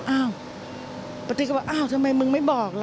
อ้าวปาร์ตี้ก็บอกอ้าวทำไมมึงไม่บอกล่ะ